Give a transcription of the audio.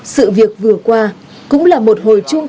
sự việc vừa qua cũng là một hồi chung